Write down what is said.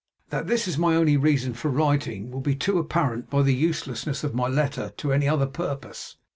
That this is my only reason for writing, will be too apparent by the uselessness of my letter to any other purpose.